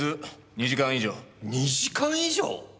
２時間以上！？